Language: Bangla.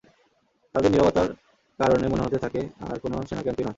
তাদের নীরবতার কারণে মনে হতে থাকে এটা কোন সেনাক্যাম্পই নয়।